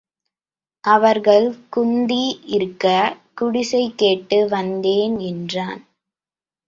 அவர்கள் குந்தி இருக்கக் குடிசை கேட்டு வந்தேன் என்றான்.